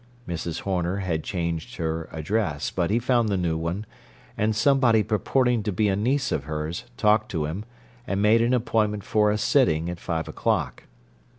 Mrs. Horner had changed her address, but he found the new one, and somebody purporting to be a niece of hers talked to him and made an appointment for a "sitting" at five o'clock.